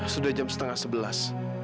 sudah jam setengah sebelas